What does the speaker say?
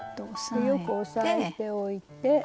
よく押さえておいて。